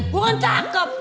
gue kan cakep